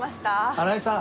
新井さん。